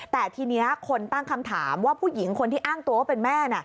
แต่ทีนี้คนตั้งคำถามว่าผู้หญิงคนที่อ้างตัวว่าเป็นแม่